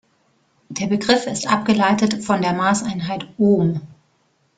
Der Begriff ist abgeleitet von der Maßeinheit Ohm.